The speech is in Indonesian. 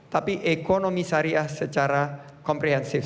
tapi ekonomi syariah secara komprehensif